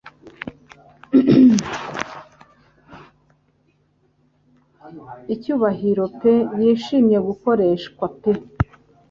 Icyubahiro pe yishimiye gukoreshwa pe